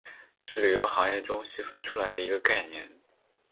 是旅游行业中细分出来的一个概念。